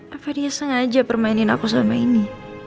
apa dia sengaja permainin aku sama ini